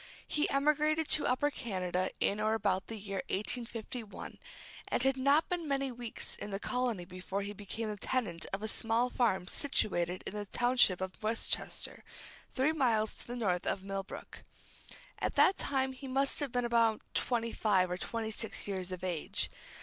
He emigrated to Upper Canada in or about the year 1851, and had not been many weeks in the colony before he became the tenant of a small farm situated in the township of Westchester, three miles to the north of Millbrook. At that time he must have been about twenty five or twenty six years of age.